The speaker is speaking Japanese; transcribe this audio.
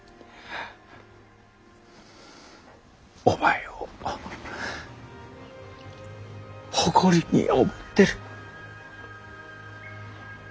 お前を誇りに思ってる。